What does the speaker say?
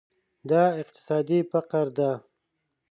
دا اقتصادي فقر ده.